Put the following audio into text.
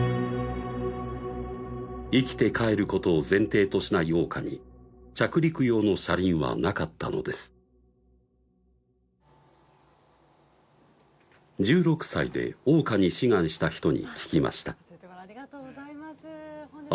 生きて帰ることを前提としない桜花に着陸用の車輪はなかったのです１６歳で桜花に志願した人に聞きました